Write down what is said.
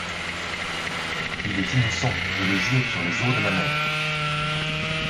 Il est innocent, je le jure sur les os de ma mère!